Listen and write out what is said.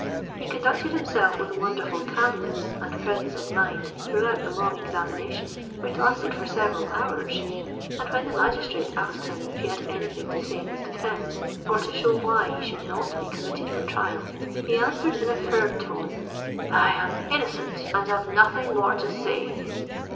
He conducted himself with wonderful calmness and presence of mind throughout the long examination, which lasted for several hours; and when the magistrate asked him if he had any thing to say in his defence, or to show why he should not be committed for trial, he answered in a firm tone, 'I am innocent, and have nothing more to say.'